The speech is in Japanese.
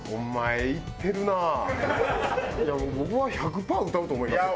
もう僕は１００パー歌うと思いますよ。